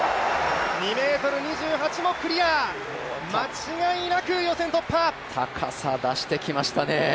２ｍ２８もクリア、間違いなく予選突破高さ出してきましたね。